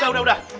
gak udah udah